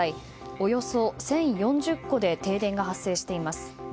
およそ１０４０戸で停電が発生しています。